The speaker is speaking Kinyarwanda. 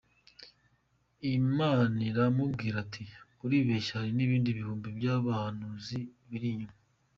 Imana iramubwira iti uribeshye hari n’ibindi bihumbi byabahanuzi biri inyuma.